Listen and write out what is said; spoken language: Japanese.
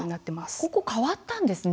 ここが変わったんですね。